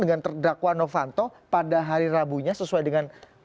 dengan terdakwa novanto pada hari rabunya sesuai dengan